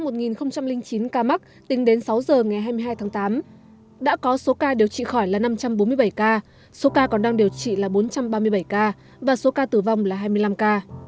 trong một chín ca mắc tính đến sáu giờ ngày hai mươi hai tháng tám đã có số ca điều trị khỏi là năm trăm bốn mươi bảy ca số ca còn đang điều trị là bốn trăm ba mươi bảy ca và số ca tử vong là hai mươi năm ca